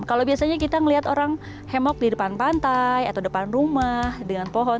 kalau biasanya kita melihat orang hemok di depan pantai atau depan rumah dengan pohon